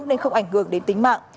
nên không ảnh hưởng đến tính mạng